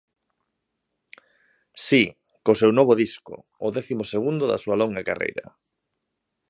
Si, co seu novo disco, o décimo segundo da súa longa carreira.